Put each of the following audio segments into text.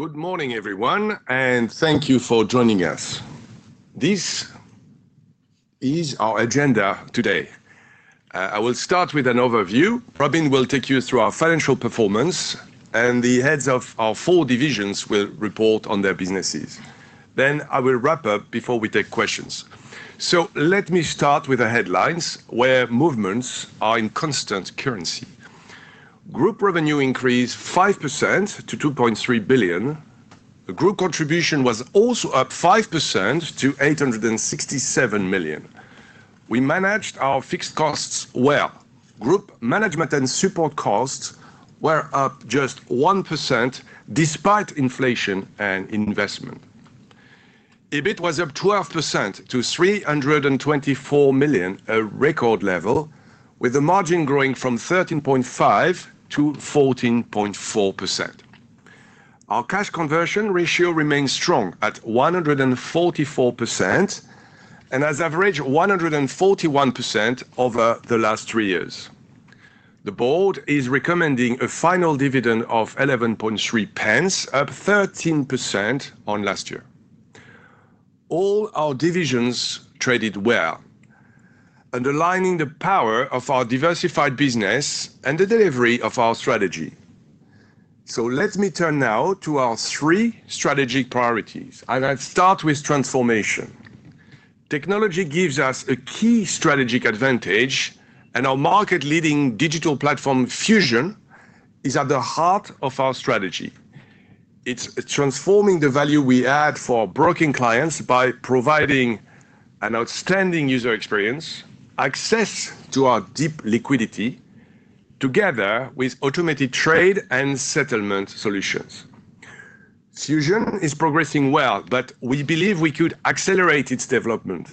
Good morning, everyone, and thank you for joining us. This is our agenda today. I will start with an overview. Robin will take you through our financial performance, and the heads of our four divisions will report on their businesses. I will wrap up before we take questions. Let me start with the headlines, where movements are in constant currency. Group revenue increased 5% to 2.3 billion. Group contribution was also up 5% to 867 million. We managed our fixed costs well. Group management and support costs were up just 1% despite inflation and investment. EBIT was up 12% to 324 million, a record level, with the margin growing from 13.5%-14.4%. Our cash conversion ratio remains strong at 144% and has averaged 141% over the last three years. The Board is recommending a final dividend of 0.113, up 13% on last year. All our divisions traded well, underlining the power of our diversified business and the delivery of our strategy. Let me turn now to our three strategic priorities, and I'll start with transformation. Technology gives us a key strategic advantage, and our market-leading digital platform, Fusion, is at the heart of our strategy. It's transforming the value we add for our broking clients by providing an outstanding user experience, access to our deep liquidity, together with automated trade and settlement solutions. Fusion is progressing well, but we believe we could accelerate its development.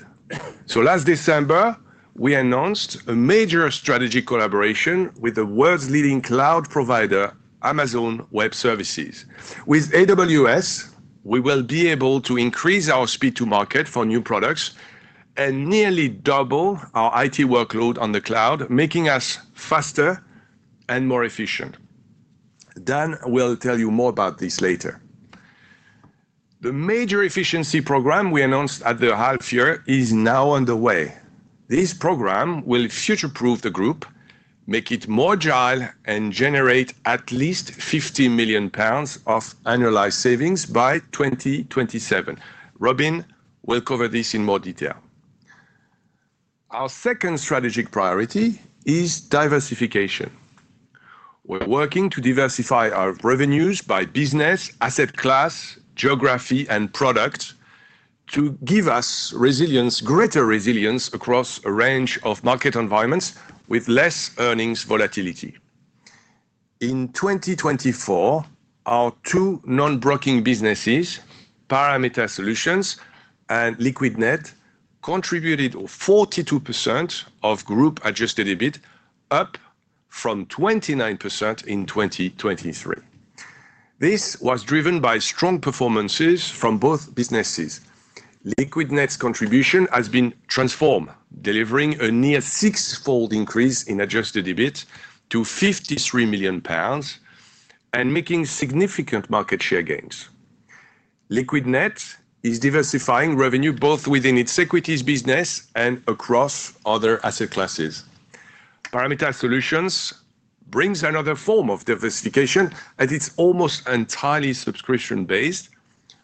Last December, we announced a major strategic collaboration with the world's leading cloud provider, Amazon Web Services. With AWS, we will be able to increase our speed to market for new products and nearly double our IT workload on the cloud, making us faster and more efficient. Dan will tell you more about this later. The major efficiency program we announced at the half year is now underway. This program will future-proof the group, make it more agile, and generate at least 15 million pounds of annualized savings by 2027. Robin will cover this in more detail. Our second strategic priority is diversification. We're working to diversify our revenues by business, asset class, geography, and product to give us greater resilience across a range of market environments with less earnings volatility. In 2024, our two non-broking businesses, Parameta Solutions and Liquidnet, contributed 42% of group adjusted EBIT, up from 29% in 2023. This was driven by strong performances from both businesses. Liquidnet's contribution has been transformed, delivering a near six-fold increase in adjusted EBIT to 53 million pounds and making significant market share gains. Liquidnet is diversifying revenue both within its equities business and across other asset classes. Parameta Solutions brings another form of diversification as it's almost entirely subscription-based,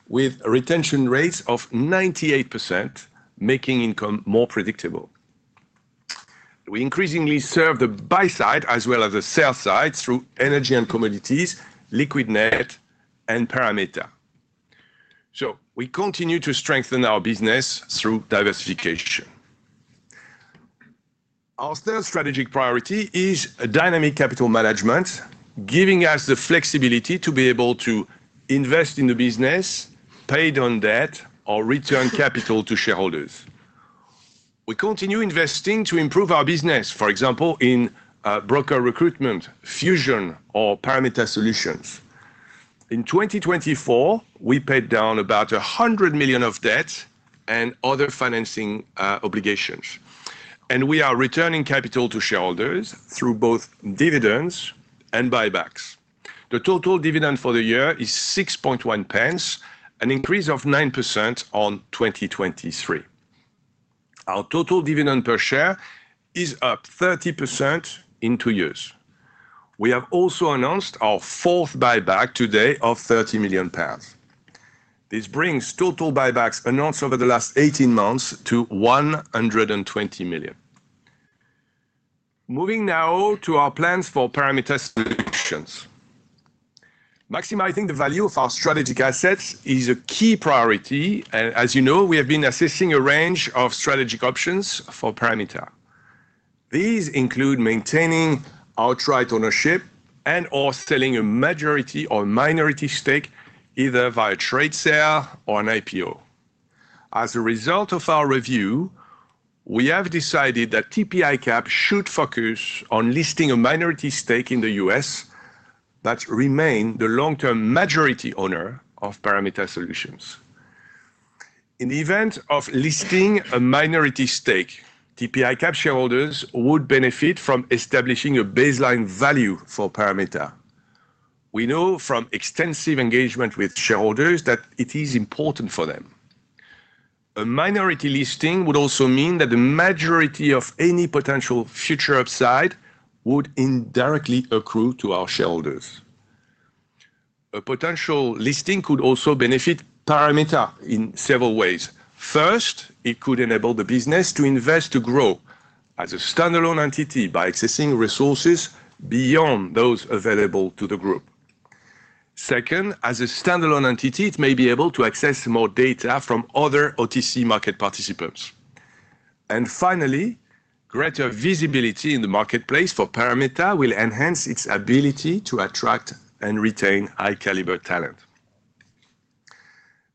with retention rates of 98%, making income more predictable. We increasingly serve the buy side as well as the sell side through Energy & Commodities, Liquidnet, and Parameta. We continue to strengthen our business through diversification. Our third strategic priority is dynamic capital management, giving us the flexibility to be able to invest in the business, pay down debt, or return capital to shareholders. We continue investing to improve our business, for example, in broker recruitment, Fusion, or Parameta Solutions. In 2024, we paid down about 100 million of debt and other financing obligations, and we are returning capital to shareholders through both dividends and buybacks. The total dividend for the year is 0.061, an increase of 9% on 2023. Our total dividend per share is up 30% in two years. We have also announced our fourth buyback today of 30 million pounds. This brings total buybacks announced over the last 18 months to 120 million. Moving now to our plans for Parameta Solutions. Maximizing the value of our strategic assets is a key priority, and as you know, we have been assessing a range of strategic options for Parameta. These include maintaining outright ownership and/or selling a majority or minority stake, either via trade sale or an IPO. As a result of our review, we have decided that TP ICAP should focus on listing a minority stake in the United States that remains the long-term majority owner of Parameta Solutions. In the event of listing a minority stake, TP ICAP shareholders would benefit from establishing a baseline value for Parameta. We know from extensive engagement with shareholders that it is important for them. A minority listing would also mean that the majority of any potential future upside would indirectly accrue to our shareholders. A potential listing could also benefit Parameta in several ways. First, it could enable the business to invest to grow as a standalone entity by accessing resources beyond those available to the group. Second, as a standalone entity, it may be able to access more data from other OTC market participants. Finally, greater visibility in the marketplace for Parameta will enhance its ability to attract and retain high-caliber talent.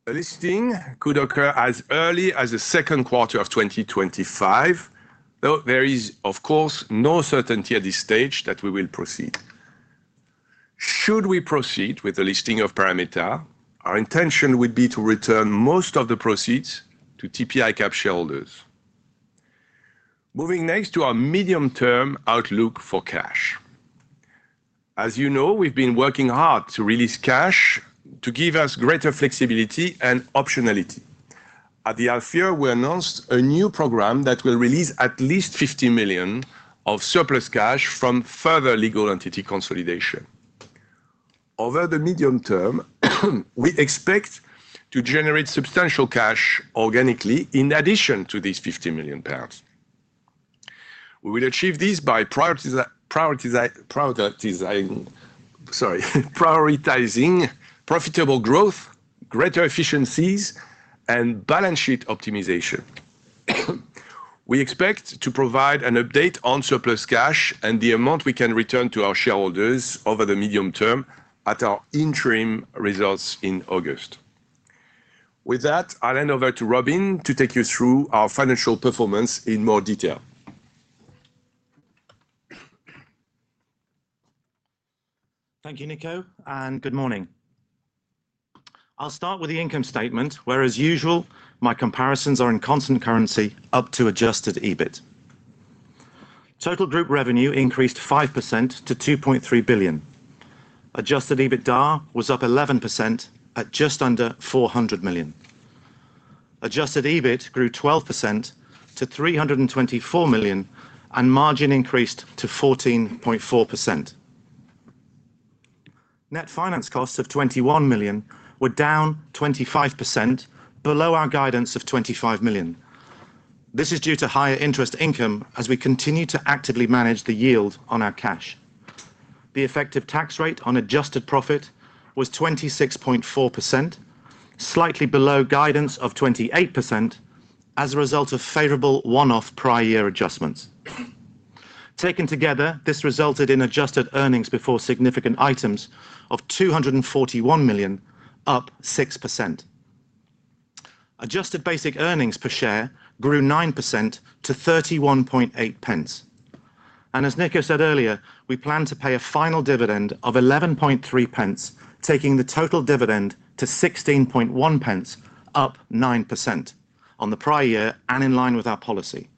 The listing could occur as early as the second quarter of 2025, though there is, of course, no certainty at this stage that we will proceed. Should we proceed with the listing of Parameta, our intention would be to return most of the proceeds to TP ICAP shareholders. Moving next to our medium-term outlook for cash. As you know, we've been working hard to release cash to give us greater flexibility and optionality. At the half year, we announced a new program that will release at least 50 million of surplus cash from further legal entity consolidation. Over the medium term, we expect to generate substantial cash organically in addition to these 50 million pounds. We will achieve this by prioritizing profitable growth, greater efficiencies, and balance sheet optimization. We expect to provide an update on surplus cash and the amount we can return to our shareholders over the medium term at our interim results in August. With that, I'll hand over to Robin to take you through our financial performance in more detail. Thank you, Nico, and good morning. I'll start with the income statement, where, as usual, my comparisons are in constant currency up to adjusted EBIT. Total group revenue increased 5% to 2.3 billion. Adjusted EBITDA was up 11% at just under 400 million. Adjusted EBIT grew 12% to 324 million, and margin increased to 14.4%. Net finance costs of 21 million were down 25%, below our guidance of 25 million. This is due to higher interest income as we continue to actively manage the yield on our cash. The effective tax rate on adjusted profit was 26.4%, slightly below guidance of 28% as a result of favorable one-off prior year adjustments. Taken together, this resulted in adjusted earnings before significant items of 241 million, up 6%. Adjusted basic earnings per share grew 9% to 0.318. As Nico said earlier, we plan to pay a final dividend of 0.113, taking the total dividend to 0.161, up 9% on the prior year and in line with our policy.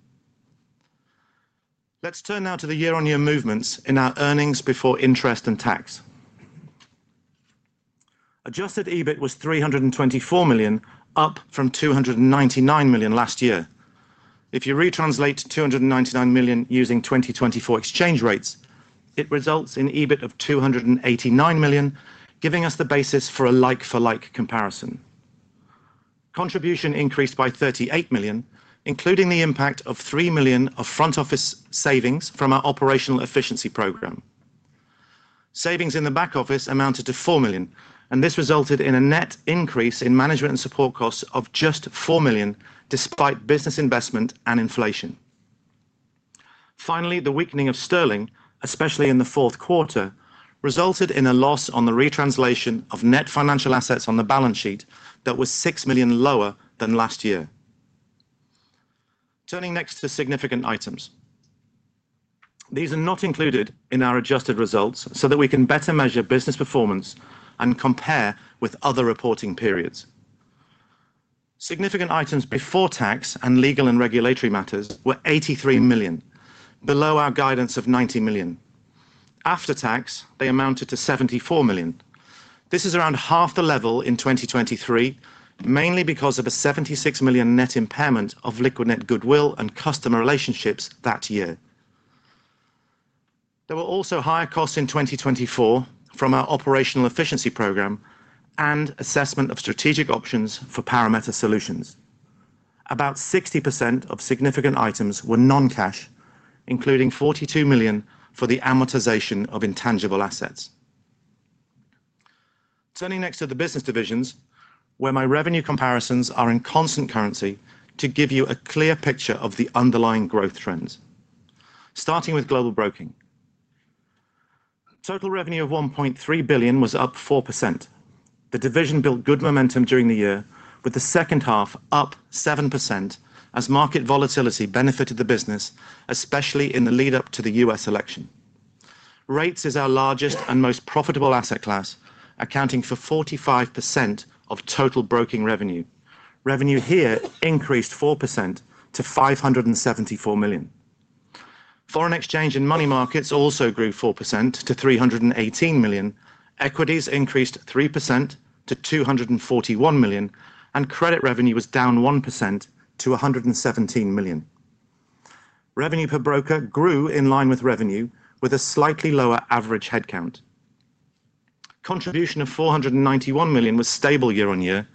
Let's turn now to the year-on-year movements in our earnings before interest and tax. Adjusted EBIT was 324 million, up from 299 million last year. If you retranslate 299 million using 2024 exchange rates, it results in an EBIT of 289 million, giving us the basis for a like-for-like comparison. Contribution increased by 38 million, including the impact of 3 million of front office savings from our operational efficiency program. Savings in the back office amounted to 4 million, and this resulted in a net increase in management and support costs of just 4 million, despite business investment and inflation. Finally, the weakening of sterling, especially in the fourth quarter, resulted in a loss on the retranslation of net financial assets on the balance sheet that was 6 million lower than last year. Turning next to significant items. These are not included in our adjusted results so that we can better measure business performance and compare with other reporting periods. Significant items before tax and legal and regulatory matters were 83 million, below our guidance of 90 million. After tax, they amounted to 74 million. This is around half the level in 2023, mainly because of a 76 million net impairment of Liquidnet goodwill and customer relationships that year. There were also higher costs in 2024 from our operational efficiency program and assessment of strategic options for Parameta Solutions. About 60% of significant items were non-cash, including 42 million for the amortization of intangible assets. Turning next to the business divisions, where my revenue comparisons are in constant currency to give you a clear picture of the underlying growth trends. Starting with Global Broking. Total revenue of 1.3 billion was up 4%. The division built good momentum during the year, with the second half up 7% as market volatility benefited the business, especially in the lead-up to the U.S. election. Rates is our largest and most profitable asset class, accounting for 45% of total broking revenue. Revenue here increased 4% to 574 million. Foreign exchange and money markets also grew 4% to 318 million. Equities increased 3% to 241 million, and credit revenue was down 1% to 117 million. Revenue per broker grew in line with revenue, with a slightly lower average headcount. Contribution of 491 million was stable year-on-year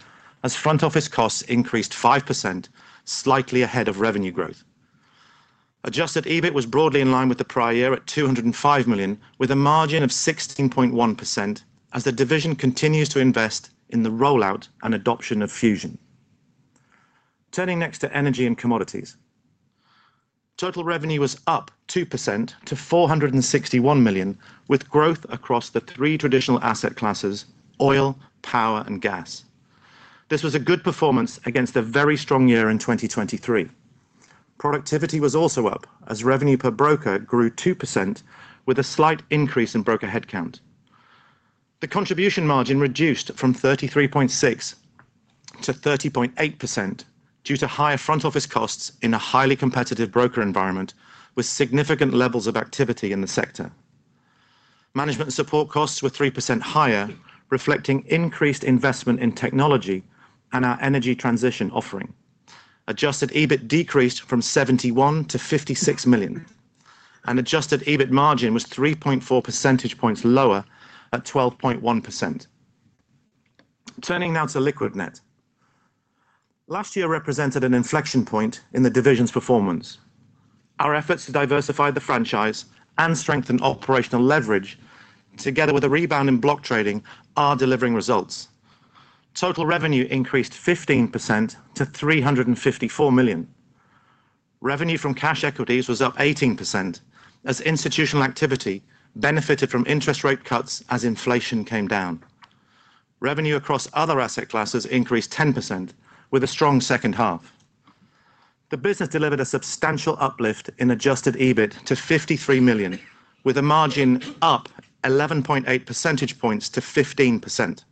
as front office costs increased 5%, slightly ahead of revenue growth. Adjusted EBIT was broadly in line with the prior year at 205 million, with a margin of 16.1% as the division continues to invest in the rollout and adoption of Fusion. Turning next to Energy & Commodities. Total revenue was up 2% to 461 million, with growth across the three traditional asset classes: oil, power, and gas. This was a good performance against a very strong year in 2023. Productivity was also up as revenue per broker grew 2%, with a slight increase in broker headcount. The contribution margin reduced from 33.6%-30.8% due to higher front office costs in a highly competitive broker environment with significant levels of activity in the sector. Management support costs were 3% higher, reflecting increased investment in technology and our energy transition offering. Adjusted EBIT decreased from 71 million to 56 million, and adjusted EBIT margin was 3.4 percentage points lower at 12.1%. Turning now to Liquidnet. Last year represented an inflection point in the division's performance. Our efforts to diversify the franchise and strengthen operational leverage, together with a rebound in block trading, are delivering results. Total revenue increased 15% to 354 million. Revenue from cash equities was up 18% as institutional activity benefited from interest rate cuts as inflation came down. Revenue across other asset classes increased 10%, with a strong second half. The business delivered a substantial uplift in adjusted EBIT to 53 million, with a margin up 11.8 percentage points to 15%.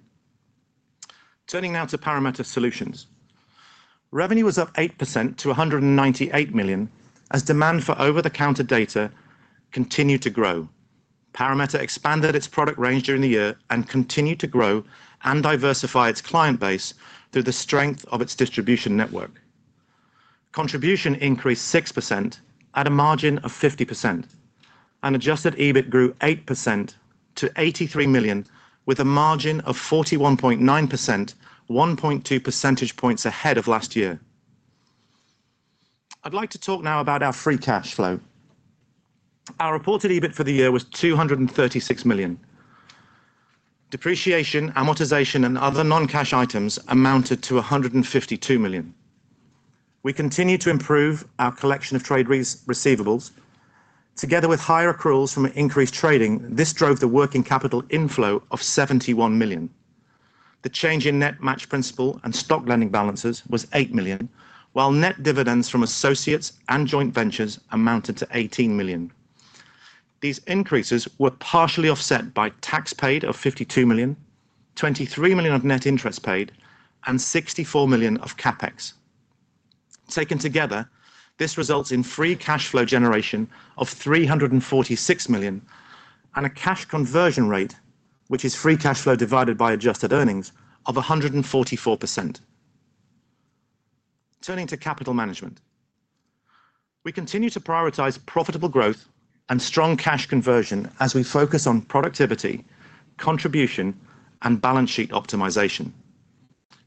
Turning now to Parameta Solutions. Revenue was up 8% to 198 million as demand for over-the-counter data continued to grow. Parameta expanded its product range during the year and continued to grow and diversify its client base through the strength of its distribution network. Contribution increased 6% at a margin of 50%, and adjusted EBIT grew 8% to 83 million, with a margin of 41.9%, 1.2 percentage points ahead of last year. I'd like to talk now about our free cash flow. Our reported EBIT for the year was 236 million. Depreciation, amortization, and other non-cash items amounted to 152 million. We continue to improve our collection of trade receivables. Together with higher accruals from increased trading, this drove the working capital inflow of 71 million. The change in net match principal and stock lending balances was 8 million, while net dividends from associates and joint ventures amounted to 18 million. These increases were partially offset by tax paid of 52 million, 23 million of net interest paid, and 64 million of CapEx. Taken together, this results in free cash flow generation of 346 million and a cash conversion rate, which is free cash flow divided by adjusted earnings, of 144%. Turning to capital management. We continue to prioritize profitable growth and strong cash conversion as we focus on productivity, contribution, and balance sheet optimization.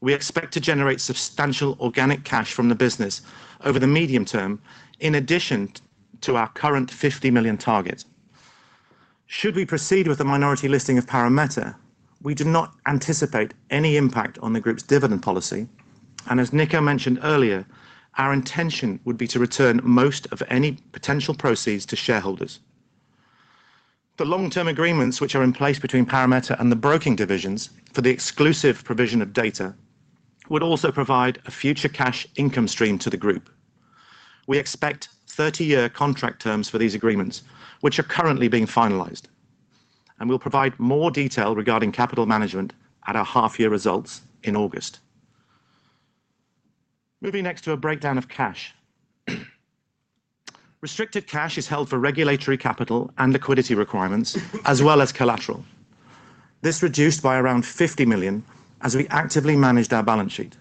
We expect to generate substantial organic cash from the business over the medium term in addition to our current 50 million target. Should we proceed with the minority listing of Parameta, we do not anticipate any impact on the group's dividend policy, and as Nico mentioned earlier, our intention would be to return most of any potential proceeds to shareholders. The long-term agreements which are in place between Parameta and the broking divisions for the exclusive provision of data would also provide a future cash income stream to the group. We expect 30-year contract terms for these agreements, which are currently being finalized, and we'll provide more detail regarding capital management at our half-year results in August. Moving next to a breakdown of cash. Restricted cash is held for regulatory capital and liquidity requirements, as well as collateral. This reduced by around 50 million as we actively managed our balance sheet.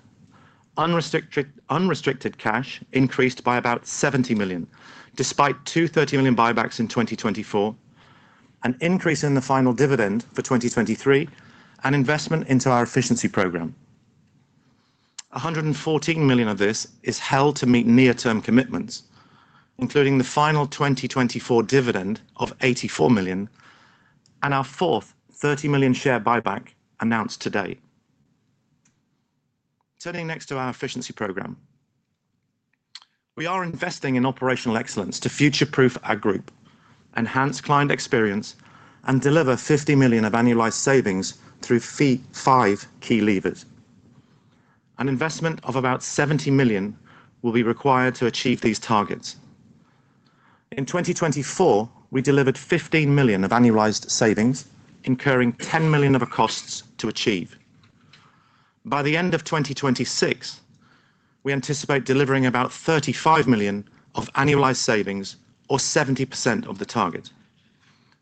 Unrestricted cash increased by about 70 million, despite two 30 million buybacks in 2024, an increase in the final dividend for 2023, and investment into our efficiency program. 114 million of this is held to meet near-term commitments, including the final 2024 dividend of 84 million and our fourth 30 million share buyback announced today. Turning next to our efficiency program. We are investing in operational excellence to future-proof our group, enhance client experience, and deliver 50 million of annualized savings through five key levers. An investment of about 70 million will be required to achieve these targets. In 2024, we delivered 15 million of annualized savings, incurring 10 million of costs to achieve. By the end of 2026, we anticipate delivering about 35 million of annualized savings, or 70% of the target.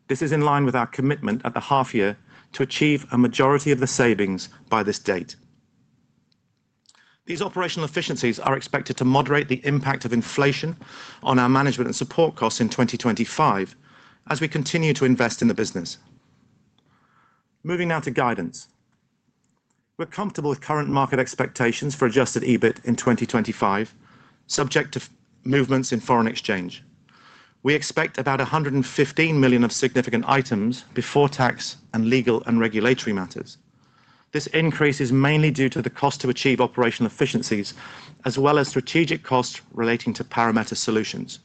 This is in line with our commitment at the half-year to achieve a majority of the savings by this date. These operational efficiencies are expected to moderate the impact of inflation on our management and support costs in 2025 as we continue to invest in the business. Moving now to guidance. We're comfortable with current market expectations for adjusted EBIT in 2025, subject to movements in foreign exchange. We expect about 115 million of significant items before tax and legal and regulatory matters. This increase is mainly due to the cost to achieve operational efficiencies, as well as strategic costs relating to Parameta Solutions.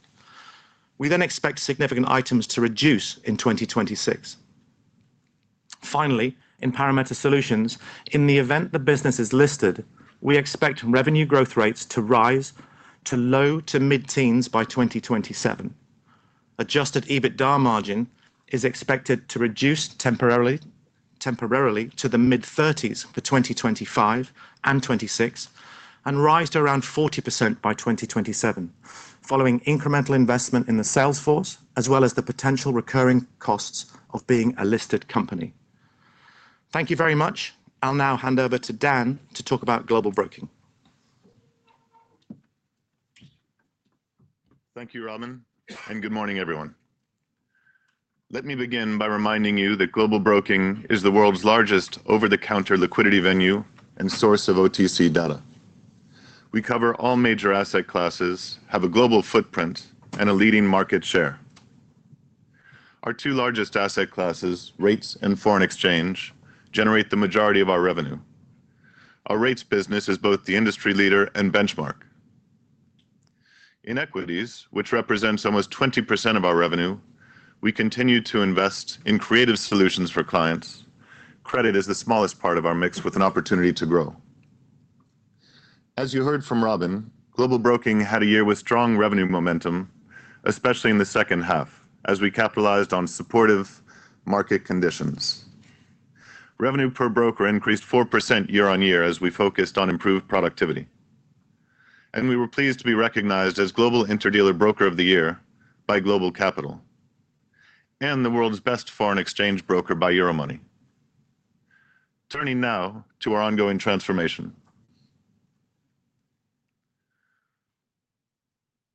We then expect significant items to reduce in 2026. Finally, in Parameta Solutions, in the event the business is listed, we expect revenue growth rates to rise to low to mid-teens by 2027. Adjusted EBITDA margin is expected to reduce temporarily to the mid-thirties for 2025 and 2026 and rise to around 40% by 2027, following incremental investment in the sales force, as well as the potential recurring costs of being a listed company. Thank you very much. I'll now hand over to Dan to talk about Global Broking. Thank you, Robin, and good morning, everyone. Let me begin by reminding you that Global Broking is the world's largest over-the-counter liquidity venue and source of OTC data. We cover all major asset classes, have a global footprint, and a leading market share. Our two largest asset classes, rates and foreign exchange, generate the majority of our revenue. Our rates business is both the industry leader and benchmark. In equities, which represents almost 20% of our revenue, we continue to invest in creative solutions for clients. Credit is the smallest part of our mix with an opportunity to grow. As you heard from Robin, Global Broking had a year with strong revenue momentum, especially in the second half, as we capitalized on supportive market conditions. Revenue per broker increased 4% year-on-year as we focused on improved productivity. We were pleased to be recognized as Global Interdealer Broker of the Year by Global Capital and the world's best foreign exchange broker by Euromoney. Turning now to our ongoing transformation.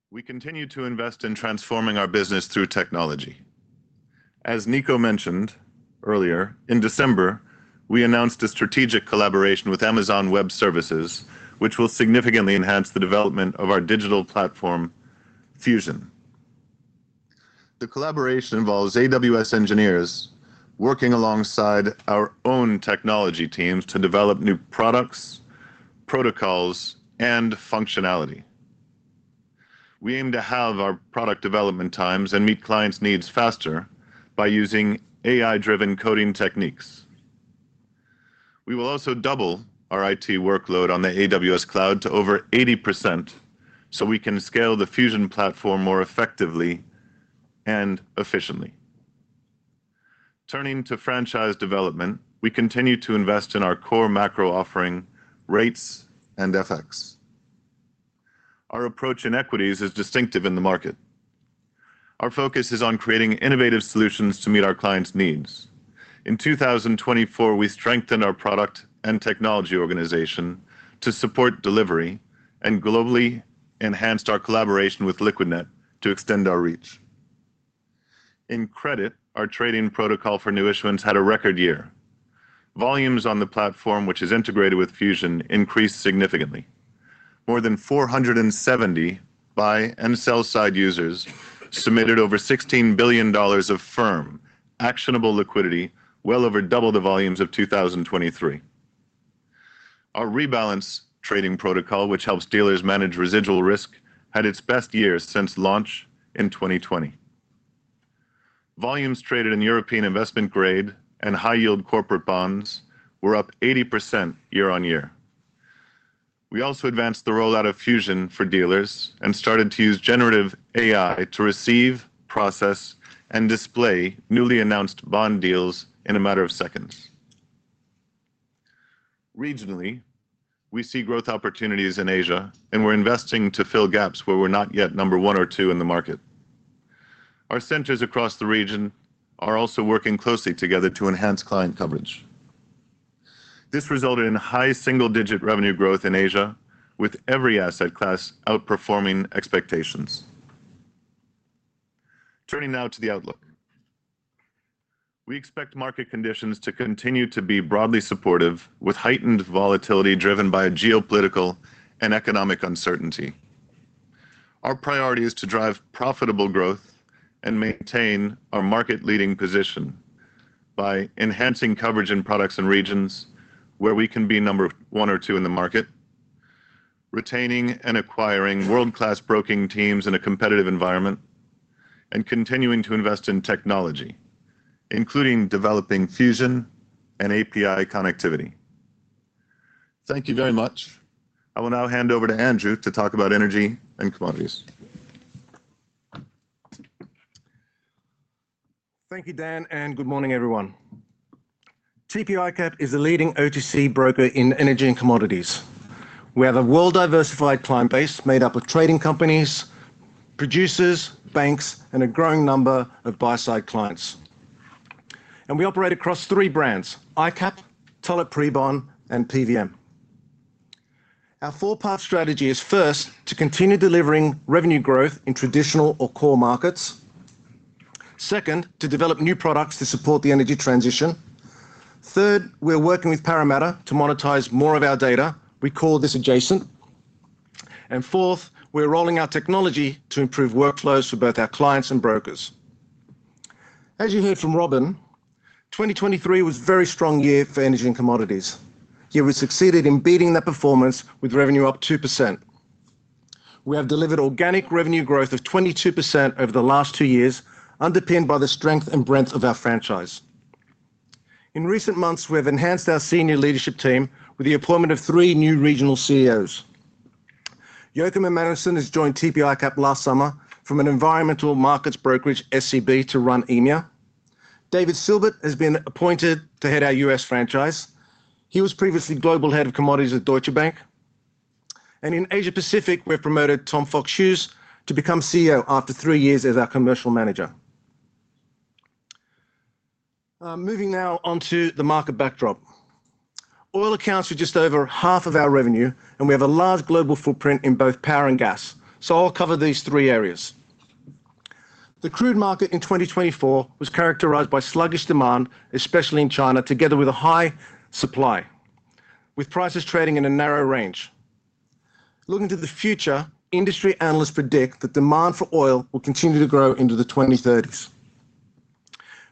We continue to invest in transforming our business through technology. As Nico mentioned earlier, in December, we announced a strategic collaboration with Amazon Web Services, which will significantly enhance the development of our digital platform, Fusion. The collaboration involves AWS engineers working alongside our own technology teams to develop new products, protocols, and functionality. We aim to halve our product development times and meet clients' needs faster by using AI-driven coding techniques. We will also double our IT workload on the AWS cloud to over 80% so we can scale the Fusion platform more effectively and efficiently. Turning to franchise development, we continue to invest in our core macro offering, rates and FX. Our approach in equities is distinctive in the market. Our focus is on creating innovative solutions to meet our clients' needs. In 2024, we strengthened our product and technology organization to support delivery and globally enhanced our collaboration with Liquidnet to extend our reach. In credit, our trading protocol for new issuance had a record year. Volumes on the platform, which is integrated with Fusion, increased significantly. More than 470 buy and sell side users submitted over $16 billion of firm, actionable liquidity, well over double the volumes of 2023. Our rebalance trading protocol, which helps dealers manage residual risk, had its best year since launch in 2020. Volumes traded in European investment grade and high-yield corporate bonds were up 80% year-on-year. We also advanced the rollout of Fusion for dealers and started to use generative AI to receive, process, and display newly announced bond deals in a matter of seconds. Regionally, we see growth opportunities in Asia, and we're investing to fill gaps where we're not yet number one or two in the market. Our centers across the region are also working closely together to enhance client coverage. This resulted in high single-digit revenue growth in Asia, with every asset class outperforming expectations. Turning now to the outlook. We expect market conditions to continue to be broadly supportive, with heightened volatility driven by geopolitical and economic uncertainty. Our priority is to drive profitable growth and maintain our market-leading position by enhancing coverage in products and regions where we can be number one or two in the market, retaining and acquiring world-class broking teams in a competitive environment, and continuing to invest in technology, including developing Fusion and API connectivity. Thank you very much. I will now hand over to Andrew to talk about Energy & Commodities. Thank you, Dan, and good morning, everyone. TP ICAP is a leading OTC broker in Energy & Commodities. We have a well-diversified client base made up of trading companies, producers, banks, and a growing number of buy-side clients. We operate across three brands: ICAP, Tullett Prebon, and PVM. Our four-part strategy is first, to continue delivering revenue growth in traditional or core markets. Second, to develop new products to support the energy transition. Third, we are working with Parameta to monetize more of our data. We call this adjacent. Fourth, we are rolling out technology to improve workflows for both our clients and brokers. As you heard from Robin, 2023 was a very strong year for Energy & Commodities. Yeah, we succeeded in beating that performance with revenue up 2%. We have delivered organic revenue growth of 22% over the last two years, underpinned by the strength and breadth of our franchise. In recent months, we have enhanced our senior leadership team with the appointment of three new regional CEOs. Joachim Emanuelsson has joined TP ICAP last summer from an environmental markets brokerage, SCB, to run EMEA. David Silbert has been appointed to head our U.S. franchise. He was previously global head of commodities at Deutsche Bank. In Asia-Pacific, we've promoted Tom Fox Hughes to become CEO after three years as our commercial manager. Moving now on to the market backdrop. Oil accounts are just over half of our revenue, and we have a large global footprint in both power and gas. I'll cover these three areas. The crude market in 2024 was characterized by sluggish demand, especially in China, together with a high supply, with prices trading in a narrow range. Looking to the future, industry analysts predict that demand for oil will continue to grow into the 2030s.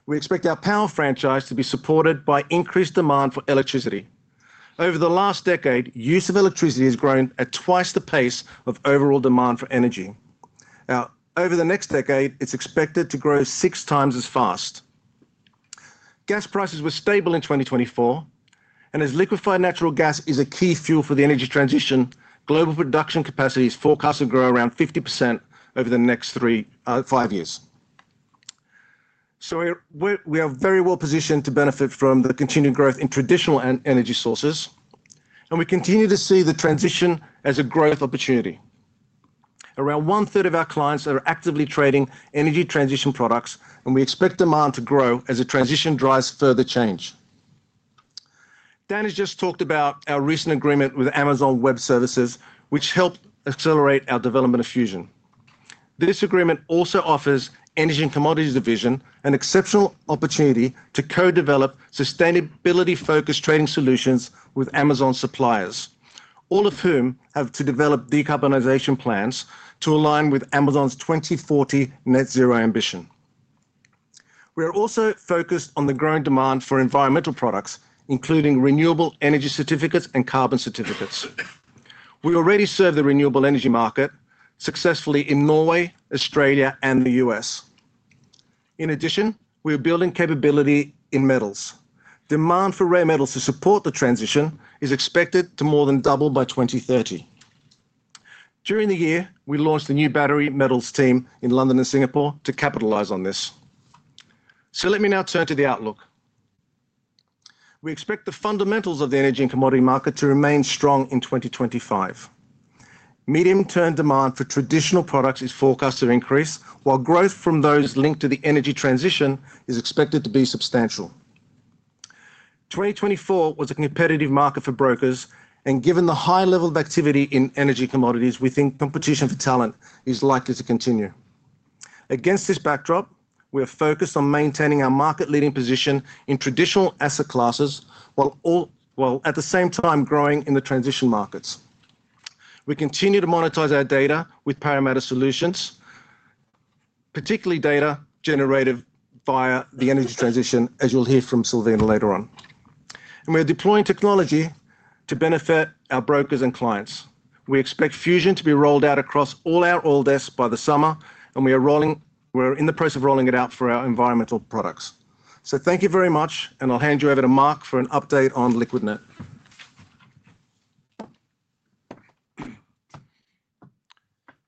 We expect our power franchise to be supported by increased demand for electricity. Over the last decade, use of electricity has grown at twice the pace of overall demand for energy. Now, over the next decade, it is expected to grow 6x as fast. Gas prices were stable in 2024, and as liquefied natural gas is a key fuel for the energy transition, global production capacities are forecast to grow around 50% over the next five years. We are very well positioned to benefit from the continued growth in traditional energy sources, and we continue to see the transition as a growth opportunity. Around 1/3 of our clients are actively trading energy transition products, and we expect demand to grow as the transition drives further change. Dan has just talked about our recent agreement with Amazon Web Services, which helped accelerate our development of Fusion. This agreement also offers Energy & Commodities division an exceptional opportunity to co-develop sustainability-focused trading solutions with Amazon suppliers, all of whom have to develop decarbonization plans to align with Amazon's 2040 net-zero ambition. We are also focused on the growing demand for environmental products, including renewable energy certificates and carbon certificates. We already serve the renewable energy market successfully in Norway, Australia, and the U.S. In addition, we are building capability in metals. Demand for rare metals to support the transition is expected to more than double by 2030. During the year, we launched the new battery metals team in London and Singapore to capitalize on this. Let me now turn to the outlook. We expect the fundamentals of the energy and commodity market to remain strong in 2025. Medium-term demand for traditional products is forecast to increase, while growth from those linked to the energy transition is expected to be substantial. 2024 was a competitive market for brokers, and given the high level of activity in energy commodities, we think competition for talent is likely to continue. Against this backdrop, we are focused on maintaining our market-leading position in traditional asset classes while at the same time growing in the transition markets. We continue to monetize our data with Parameta Solutions, particularly data generated via the energy transition, as you'll hear from Silvina later on. We are deploying technology to benefit our brokers and clients. We expect Fusion to be rolled out across all our desks by the summer, and we are in the process of rolling it out for our environmental products. Thank you very much, and I'll hand you over to Mark for an update on Liquidnet.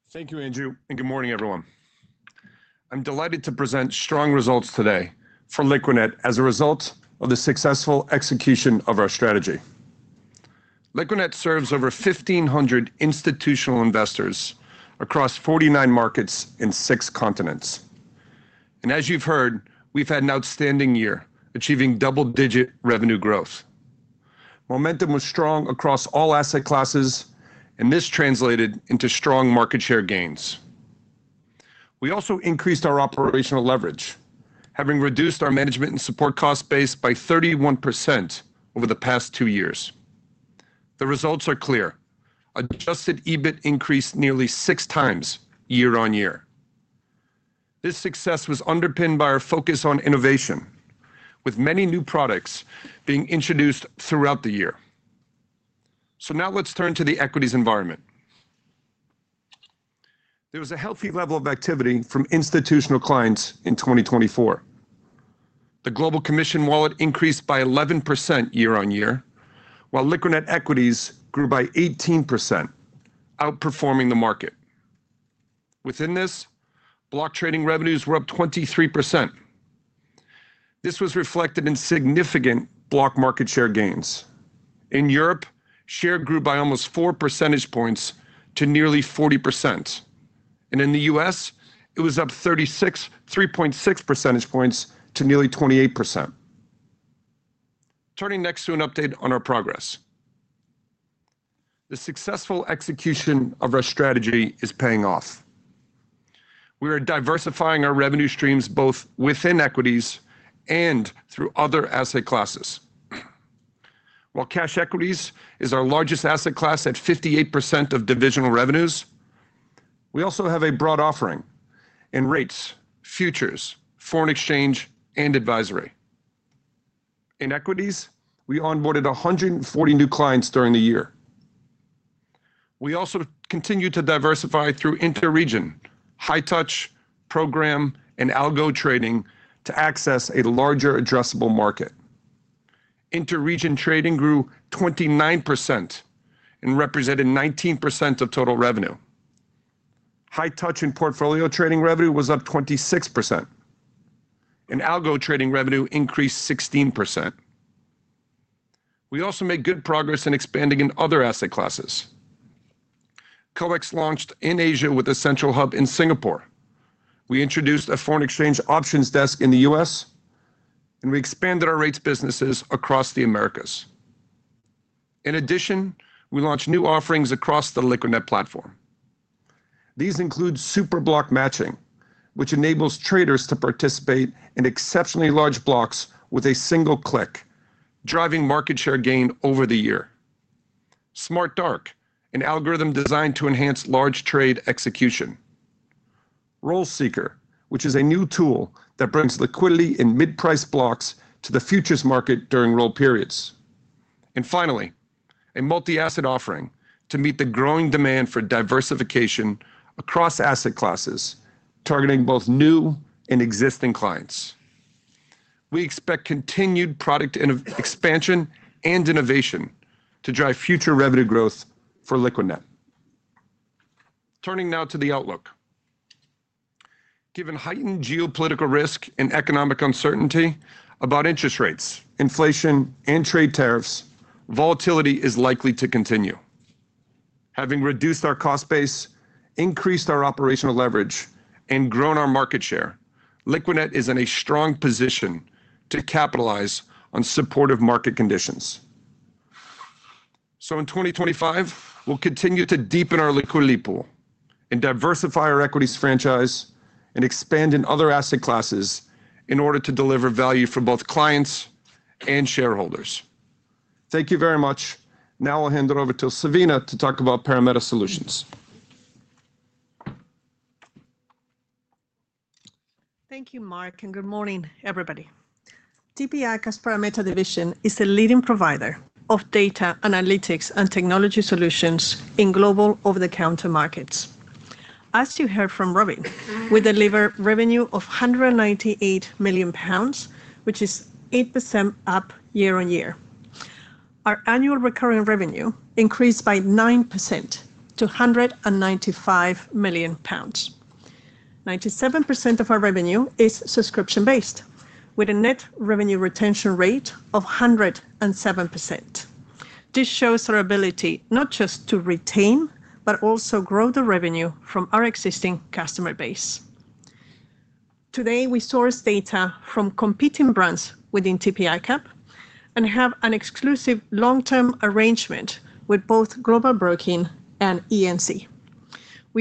Thank you, Andrew, and good morning, everyone. I'm delighted to present strong results today for Liquidnet as a result of the successful execution of our strategy. Liquidnet serves over 1,500 institutional investors across 49 markets in six continents. As you've heard, we've had an outstanding year, achieving double-digit revenue growth. Momentum was strong across all asset classes, and this translated into strong market share gains. We also increased our operational leverage, having reduced our management and support cost base by 31% over the past two years. The results are clear. Adjusted EBIT increased nearly 6x year-on-year. This success was underpinned by our focus on innovation, with many new products being introduced throughout the year. Now let's turn to the equities environment. There was a healthy level of activity from institutional clients in 2024. The global commission wallet increased by 11% year-on-year, while Liquidnet equities grew by 18%, outperforming the market. Within this, block trading revenues were up 23%. This was reflected in significant block market share gains. In Europe, share grew by almost four percentage points to nearly 40%. In the U.S., it was up 36.6 percentage points to nearly 28%. Turning next to an update on our progress. The successful execution of our strategy is paying off. We are diversifying our revenue streams both within equities and through other asset classes. While cash equities is our largest asset class at 58% of divisional revenues, we also have a broad offering in rates, futures, foreign exchange, and advisory. In equities, we onboarded 140 new clients during the year. We also continue to diversify through inter-region high-touch program and algo trading to access a larger addressable market. Inter-region trading grew 29% and represented 19% of total revenue. High-touch and portfolio trading revenue was up 26%. Algo trading revenue increased 16%. We also made good progress in expanding in other asset classes. COEX launched in Asia with a central hub in Singapore. We introduced a foreign exchange options desk in the U.S., and we expanded our rates businesses across the Americas. In addition, we launched new offerings across the Liquidnet platform. These include SuperBlock Matching, which enables traders to participate in exceptionally large blocks with a single click, driving market share gain over the year. SmartDark, an algorithm designed to enhance large trade execution. Roll Seeker, which is a new tool that brings liquidity in mid-price blocks to the futures market during roll periods. Finally, a multi-asset offering to meet the growing demand for diversification across asset classes, targeting both new and existing clients. We expect continued product expansion and innovation to drive future revenue growth for Liquidnet. Turning now to the outlook. Given heightened geopolitical risk and economic uncertainty about interest rates, inflation, and trade tariffs, volatility is likely to continue. Having reduced our cost base, increased our operational leverage, and grown our market share, Liquidnet is in a strong position to capitalize on supportive market conditions. In 2025, we'll continue to deepen our liquidity pool and diversify our equities franchise and expand in other asset classes in order to deliver value for both clients and shareholders. Thank you very much. Now I'll hand it over to Silvina to talk about Parameta Solutions. Thank you, Mark, and good morning, everybody. TP ICAP's Parameta division is a leading provider of data analytics and technology solutions in global over-the-counter markets. As you heard from Robin, we deliver revenue of 198 million pounds, which is 8% up year-on-year. Our annual recurring revenue increased by 9% to 195 million pounds. 97% of our revenue is subscription-based, with a net revenue retention rate of 107%. This shows our ability not just to retain, but also grow the revenue from our existing customer base. Today, we source data from competing brands within TP ICAP and have an exclusive long-term arrangement with both Global Broking and Energy & Commodities. We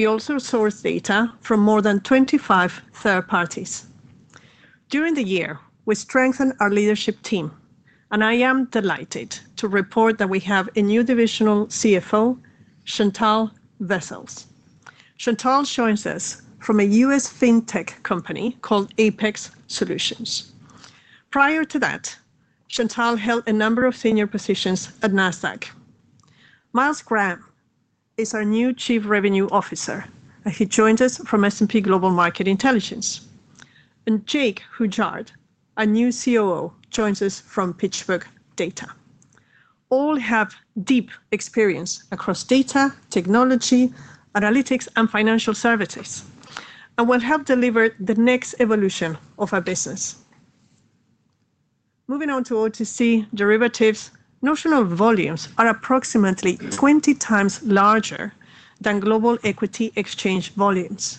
also source data from more than 25 third parties. During the year, we strengthen our leadership team, and I am delighted to report that we have a new divisional CFO, Chantal Wessels. Chantal joins us from a U.S. fintech company called Apex Solutions. Prior to that, Chantal held a number of senior positions at NASDAQ. Miles Graham is our new Chief Revenue Officer, and he joins us from S&P Global Market Intelligence. Jake Hujar, our new COO, joins us from PitchBook Data. All have deep experience across data, technology, analytics, and financial services, and will help deliver the next evolution of our business. Moving on to OTC derivatives, notional volumes are approximately 20x larger than global equity exchange volumes.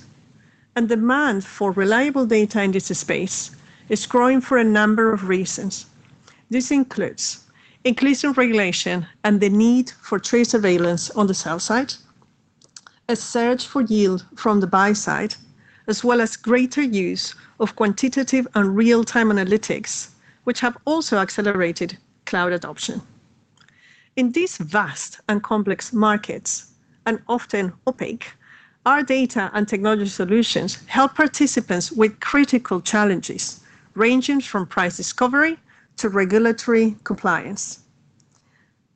Demand for reliable data in this space is growing for a number of reasons. This includes increasing regulation and the need for trace surveillance on the sell side, a surge for yield from the buy side, as well as greater use of quantitative and real-time analytics, which have also accelerated cloud adoption. In these vast and complex markets, and often opaque, our data and technology solutions help participants with critical challenges ranging from price discovery to regulatory compliance.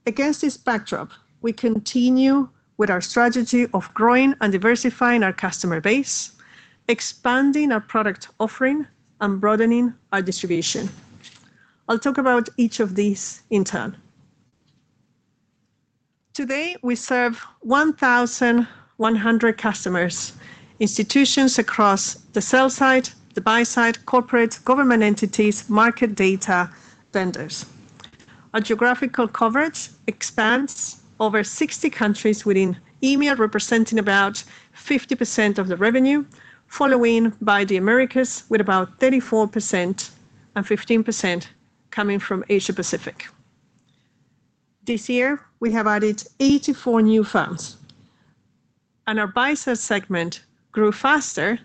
Against this backdrop, we continue with our strategy of growing and diversifying our customer base, expanding our product offering, and broadening our distribution. I'll talk about each of these in turn. Today, we serve 1,100 customers, institutions across the sell side, the buy side, corporate, government entities, market data, vendors. Our geographical coverage expands over 60 countries within EMEA, representing about 50% of the revenue, followed by the Americas with about 34% and 15% coming from Asia-Pacific. This year, we have added 84 new firms, and our buy-side segment grew faster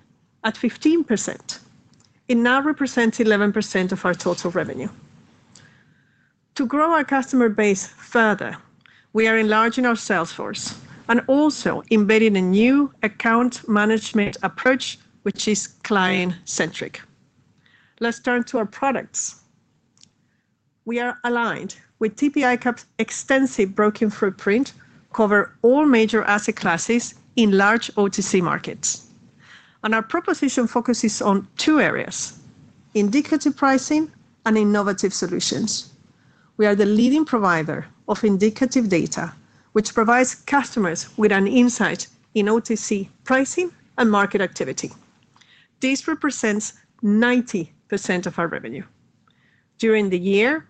at 15%. It now represents 11% of our total revenue. To grow our customer base further, we are enlarging our sales force and also embedding a new account management approach, which is client-centric. Let's turn to our products. We are aligned with TP ICAP's extensive broking footprint, cover all major asset classes in large OTC markets. Our proposition focuses on two areas: indicative pricing and innovative solutions. We are the leading provider of indicative data, which provides customers with an insight in OTC pricing and market activity. This represents 90% of our revenue. During the year,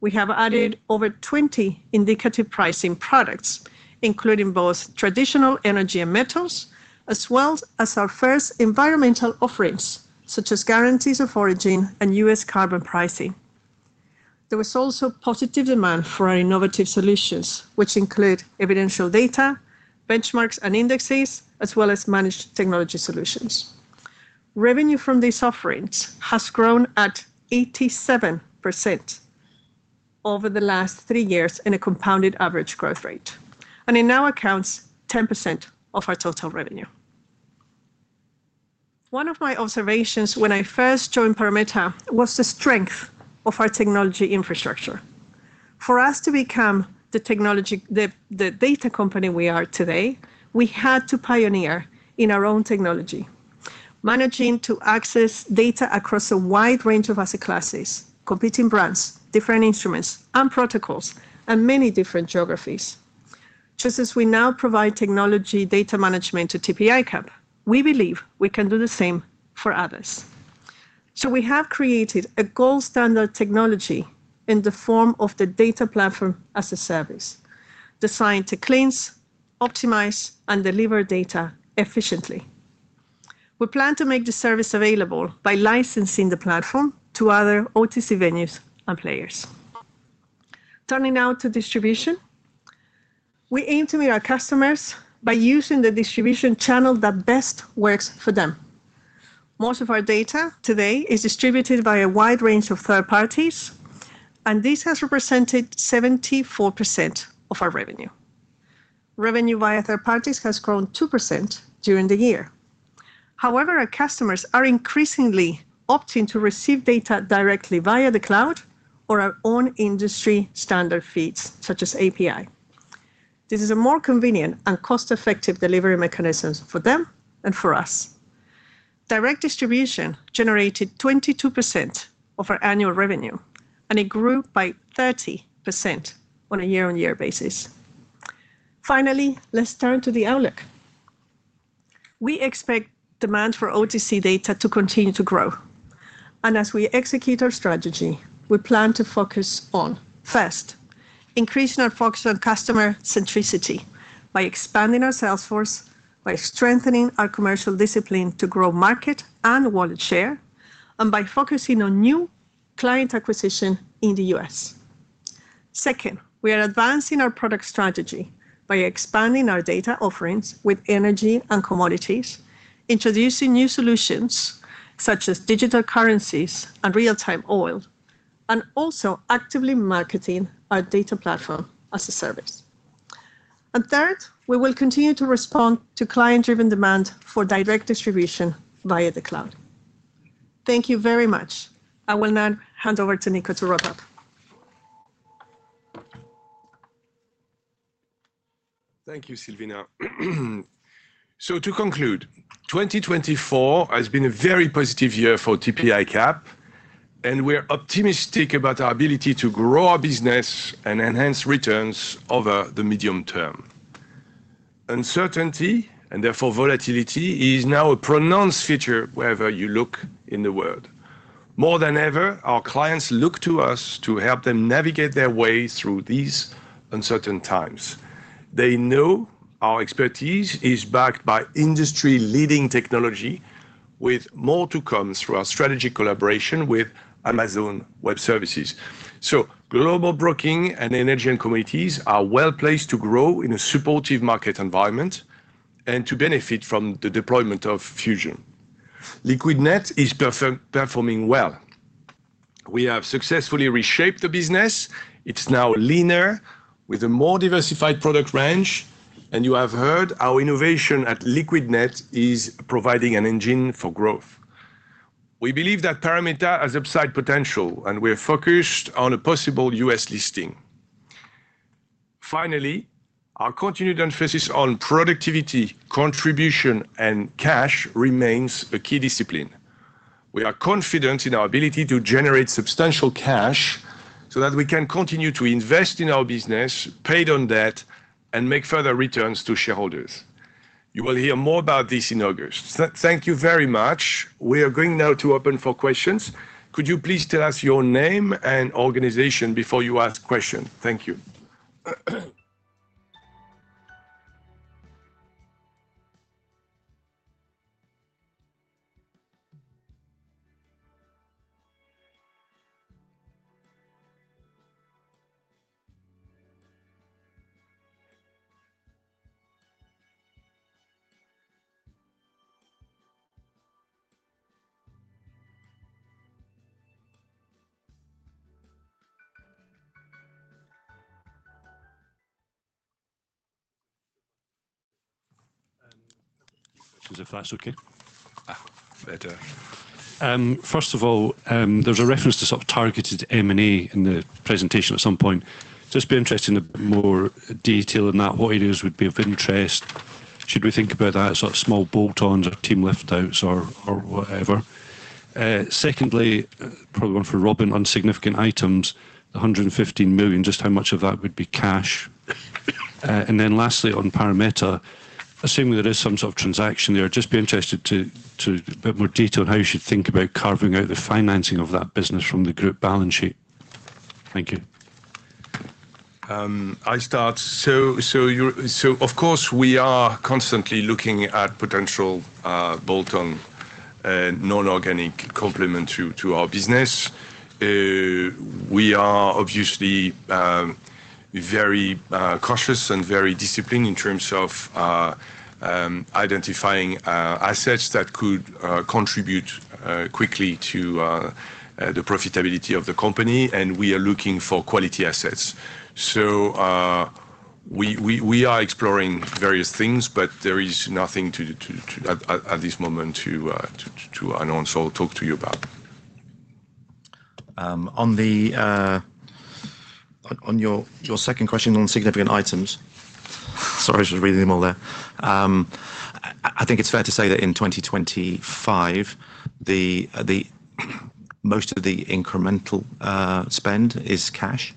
we have added over 20 indicative pricing products, including both traditional energy and metals, as well as our first environmental offerings, such as guarantees of origin and U.S. carbon pricing. There was also positive demand for our innovative solutions, which include evidential data, benchmarks and indexes, as well as managed technology solutions. Revenue from these offerings has grown at 87% over the last three years in a compounded average growth rate, and in our accounts, 10% of our total revenue. One of my observations when I first joined Parameta was the strength of our technology infrastructure. For us to become the technology, the data company we are today, we had to pioneer in our own technology, managing to access data across a wide range of asset classes, competing brands, different instruments, and protocols, and many different geographies. Just as we now provide technology data management to TP ICAP, we believe we can do the same for others. We have created a gold standard technology in the form of the data platform as a service, designed to cleanse, optimize, and deliver data efficiently. We plan to make the service available by licensing the platform to other OTC venues and players. Turning now to distribution, we aim to meet our customers by using the distribution channel that best works for them. Most of our data today is distributed by a wide range of third parties, and this has represented 74% of our revenue. Revenue via third parties has grown 2% during the year. However, our customers are increasingly opting to receive data directly via the cloud or our own industry standard feeds, such as API. This is a more convenient and cost-effective delivery mechanism for them and for us. Direct distribution generated 22% of our annual revenue, and it grew by 30% on a year-on-year basis. Finally, let's turn to the outlook. We expect demand for OTC data to continue to grow. As we execute our strategy, we plan to focus on, first, increasing our focus on customer centricity by expanding our sales force, by strengthening our commercial discipline to grow market and wallet share, and by focusing on new client acquisition in the U.S. Second, we are advancing our product strategy by expanding our data offerings with Energy & Commodities, introducing new solutions such as digital currencies and real-time oil, and also actively marketing our data platform as a service. Third, we will continue to respond to client-driven demand for direct distribution via the cloud. Thank you very much. I will now hand over to Nico to wrap up. Thank you, Silvina. To conclude, 2024 has been a very positive year for TP ICAP, and we're optimistic about our ability to grow our business and enhance returns over the medium term. Uncertainty, and therefore volatility, is now a pronounced feature wherever you look in the world. More than ever, our clients look to us to help them navigate their way through these uncertain times. They know our expertise is backed by industry-leading technology, with more to come through our strategic collaboration with Amazon Web Services. Global broking and Energy & Commodities are well placed to grow in a supportive market environment and to benefit from the deployment of Fusion. Liquidnet is performing well. We have successfully reshaped the business. It's now leaner, with a more diversified product range. You have heard our innovation at Liquidnet is providing an engine for growth. We believe that Parameta has upside potential, and we're focused on a possible U.S. listing. Finally, our continued emphasis on productivity, contribution, and cash remains a key discipline. We are confident in our ability to generate substantial cash so that we can continue to invest in our business, pay down debt, and make further returns to shareholders. You will hear more about this in August. Thank you very much. We are going now to open for questions. Could you please tell us your name and organization before you ask questions? Thank you. Is it okay? First of all, there's a reference to sort of targeted M&A in the presentation at some point. It would be interesting to have more detail in that. What it is would be of interest. Should we think about that as sort of small bolt-ons or team liftouts or whatever? Secondly, probably one for Robin, on significant items, the 115 million, just how much of that would be cash? And then lastly, on Parameta, assuming there is some sort of transaction there, I'd just be interested to have a bit more detail on how you should think about carving out the financing of that business from the group balance sheet. Thank you. I'll start. Of course, we are constantly looking at potential bolt-on, non-organic complement to our business. We are obviously very cautious and very disciplined in terms of identifying assets that could contribute quickly to the profitability of the company. We are looking for quality assets. We are exploring various things, but there is nothing at this moment to announce or talk to you about. On your second question on significant items, sorry, I was just reading them all there. I think it's fair to say that in 2025, most of the incremental spend is cash,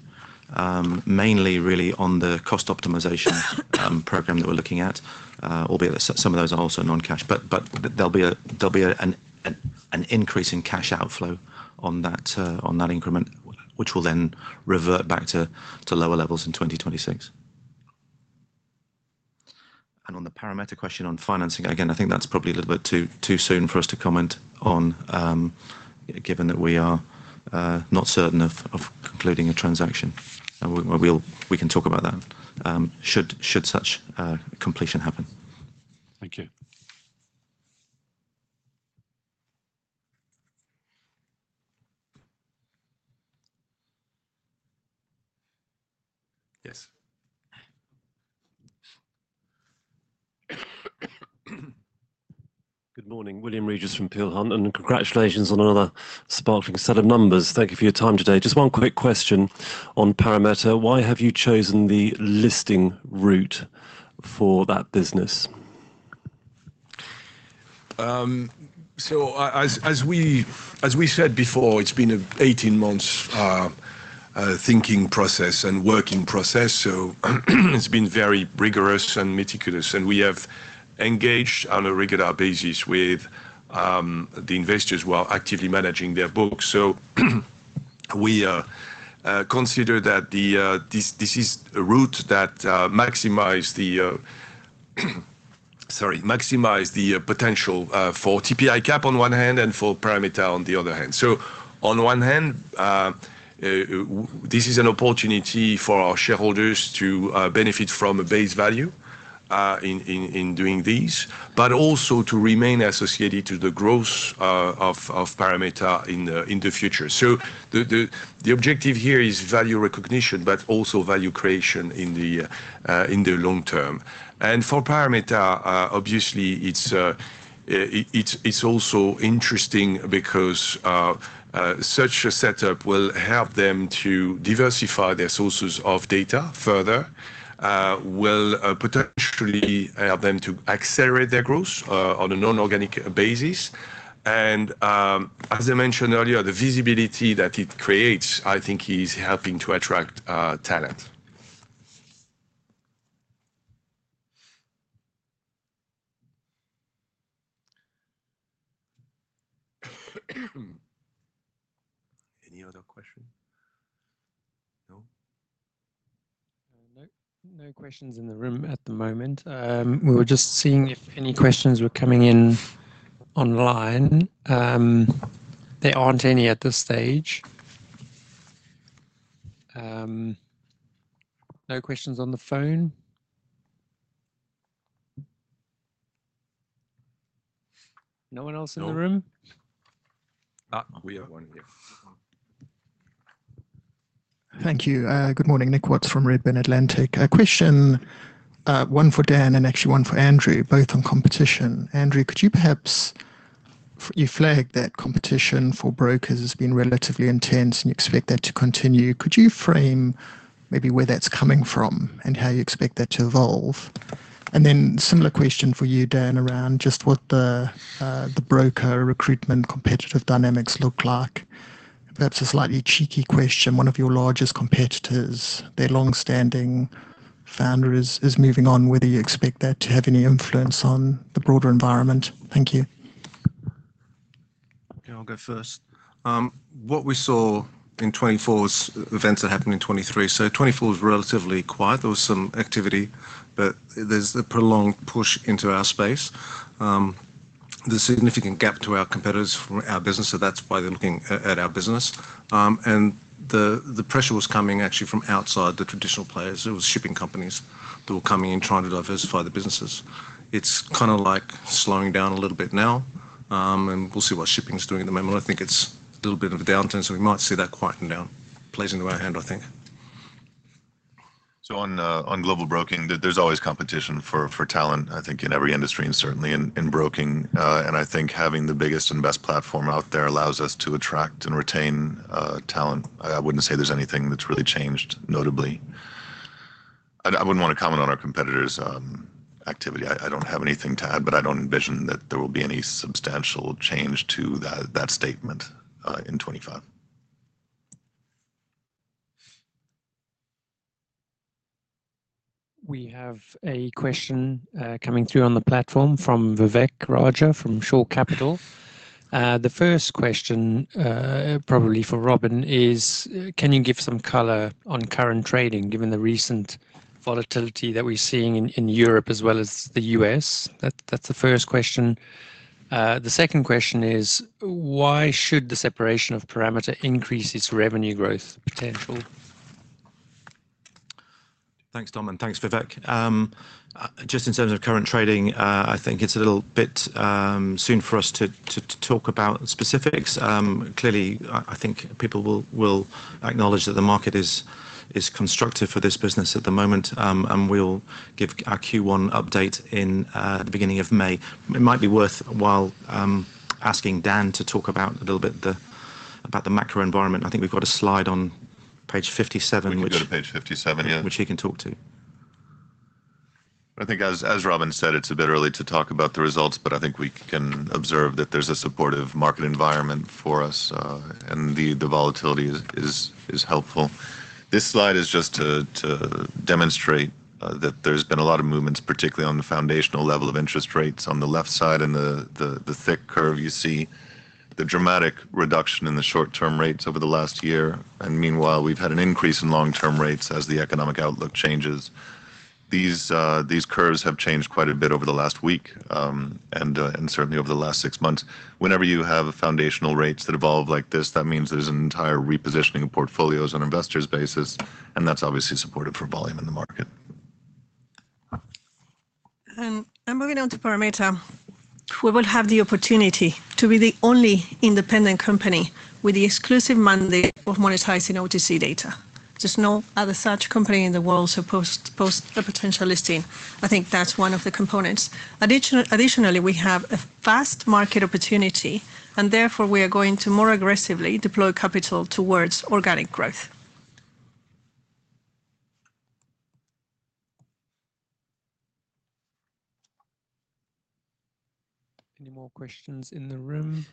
mainly really on the cost optimization program that we're looking at, albeit some of those are also non-cash. There'll be an increase in cash outflow on that increment, which will then revert back to lower levels in 2026. On the Parameta question on financing, again, I think that's probably a little bit too soon for us to comment on, given that we are not certain of concluding a transaction. We can talk about that should such completion happen. Thank you. Good morning. William Regis from Peel Hunt, and congratulations on another sparkling set of numbers. Thank you for your time today. Just one quick question on Parameta.Why have you chosen the listing route for that business? As we said before, it's been an 18-month thinking process and working process. It's been very rigorous and meticulous. We have engaged on a regular basis with the investors who are actively managing their books. We consider that this is a route that maximizes the potential for TP ICAP on one hand and for Parameta on the other hand. On one hand, this is an opportunity for our shareholders to benefit from a base value in doing these, but also to remain associated to the growth of Parameta in the future. The objective here is value recognition, but also value creation in the long term. For Parameta, obviously, it's also interesting because such a setup will help them to diversify their sources of data further, will potentially help them to accelerate their growth on a non-organic basis. As I mentioned earlier, the visibility that it creates, I think, is helping to attract talent. Any other questions? No? No questions in the room at the moment. We were just seeing if any questions were coming in online. There aren't any at this stage. No questions on the phone? No one else in the room? We have one here. Thank you. Good morning. Nick Watts from Redburn Atlantic. Question, one for Dan and actually one for Andrew, both on competition. Andrew, could you, perhaps you flagged that competition for brokers has been relatively intense, and you expect that to continue. Could you frame maybe where that's coming from and how you expect that to evolve? Similar question for you, Dan, around just what the broker recruitment competitive dynamics look like. Perhaps a slightly cheeky question. One of your largest competitors, their long-standing founder, is moving on. Whether you expect that to have any influence on the broader environment? Thank you. Okay, I'll go first. What we saw in 2024 was events that happened in 2023. 2024 was relatively quiet. There was some activity, but there is a prolonged push into our space. There is a significant gap to our competitors from our business, so that is why they are looking at our business. The pressure was coming actually from outside the traditional players. There were shipping companies that were coming in trying to diversify the businesses. It is kind of like slowing down a little bit now, and we will see what shipping is doing at the moment. I think it's a little bit of a downturn, so we might see that quieten down. Pleasing to our hand, I think. On Global Broking, there's always competition for talent, I think, in every industry and certainly in broking. I think having the biggest and best platform out there allows us to attract and retain talent. I wouldn't say there's anything that's really changed notably. I wouldn't want to comment on our competitors' activity. I don't have anything to add, but I don't envision that there will be any substantial change to that statement in 2025. We have a question coming through on the platform from Vivek Raja from Shore Capital.The first question, probably for Robin, is, can you give some color on current trading given the recent volatility that we're seeing in Europe as well as the U.S.? That's the first question. The second question is, why should the separation of Parameta increase its revenue growth potential? Thanks, Dom, and thanks, Vivek. Just in terms of current trading, I think it's a little bit soon for us to talk about specifics. Clearly, I think people will acknowledge that the market is constructive for this business at the moment, and we'll give our Q1 update in the beginning of May. It might be worthwhile asking Dan to talk a little bit about the macro environment. I think we've got a slide on page 57, which he can talk to. I think, as Robin said, it's a bit early to talk about the results, but I think we can observe that there's a supportive market environment for us, and the volatility is helpful. This slide is just to demonstrate that there's been a lot of movements, particularly on the foundational level of interest rates on the left side and the thick curve you see, the dramatic reduction in the short-term rates over the last year. Meanwhile, we've had an increase in long-term rates as the economic outlook changes. These curves have changed quite a bit over the last week and certainly over the last six months. Whenever you have foundational rates that evolve like this, that means there's an entire repositioning of portfolios on an investor's basis, and that's obviously supportive for volume in the market. Moving on to Parameta, we will have the opportunity to be the only independent company with the exclusive mandate of monetizing OTC data. There's no other such company in the world supposed to post a potential listing. I think that's one of the components. Additionally, we have a fast market opportunity, and therefore we are going to more aggressively deploy capital towards organic growth. Any more questions in the room?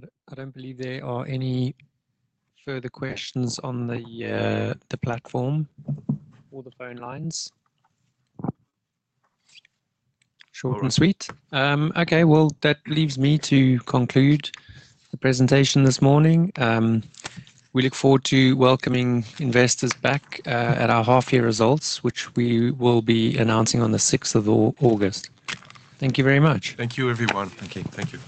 I don't believe there are any further questions on the platform or the phone lines. Short and sweet. Okay, that leaves me to conclude the presentation this morning. We look forward to welcoming investors back at our half-year results, which we will be announcing on the 6th of August. Thank you very much. Thank you, everyone. Thank you. Thank you.